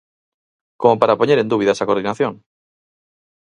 ¡Como para poñer en dúbida esa coordinación!